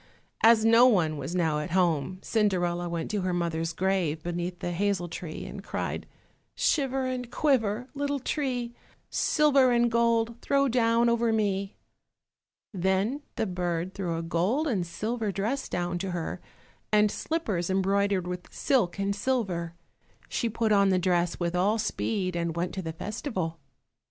As no one was now at home, Cinderella went to her mother's grave beneath the hazel tree, and cried, "Shiver and quiver, little tree, Silver and gold throw down over me." Then the bird threw a gold and silver dress down to her, and slippers embroidered with silk and silver. She put on the dress with all speed, and went to the festival.